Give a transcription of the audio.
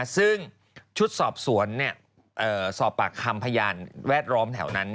ซึ่งชุดสอบสวนสอบปากคำพยานแวดล้อมแถวนั้น